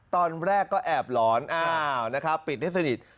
ตอนแรกก็แอบหลอนปิดให้สนิท